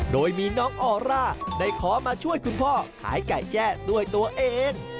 โดยมีน้องออร่าได้ขอมาช่วยคุณพ่อขายไก่แจ้ด้วยตัวเอง